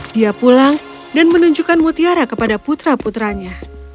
dia pulang dan menunjukkan mutiara kepada putra putranya